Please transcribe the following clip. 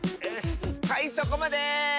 はいそこまで！